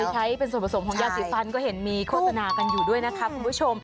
ใช้เป็นส่วนผสมของยาสีฟันก็เห็นมีโฆษณากันอยู่ด้วยนะคะคุณผู้ชม